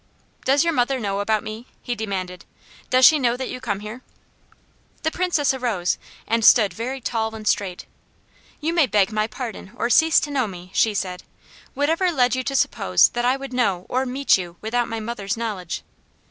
"Does your mother know about me?" he demanded. "Does she know that you come here?" The Princess arose and stood very tall and straight. "You may beg my pardon or cease to know me," she said. "Whatever led you to suppose that I would know or meet you without my mother's knowledge?"